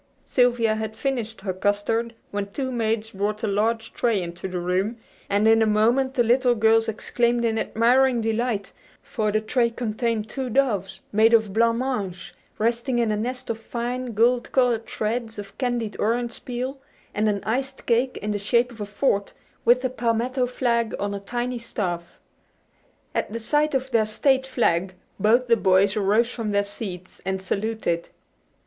Sylvia had finished her custard when two maids brought a large tray into the room, and in a moment the little girls exclaimed in admiring delight; for the tray contained two doves, made of blanc mange, resting in a nest of fine, gold colored shreds of candied orange peel, and an iced cake in the shape of a fort, with the palmetto flag on a tiny staff. At the sight of their State flag both the boys arose from their seats and saluted.